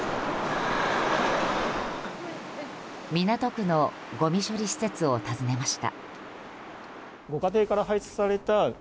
港区のごみ処理施設を訪ねました。